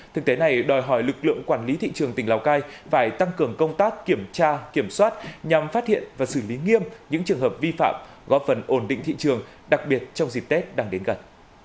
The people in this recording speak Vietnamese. thực tế này đòi hỏi lực lượng quản lý thị trường tỉnh lào cai phải tăng cường công tác kiểm tra kiểm soát nhằm phát hiện và xử lý nghiêm những trường hợp vi phạm góp phần ổn định thị trường đặc biệt trong dịp tết đang đến gần